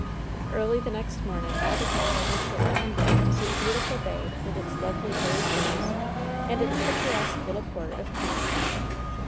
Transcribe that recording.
Early the next morning all the passengers were out on deck to see the beautiful bay with its lovely hilly shores, and its picturesque little port of Queenstown.